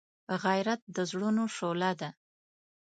غیرت د زړونو شعله ده